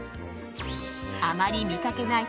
あまり見かけない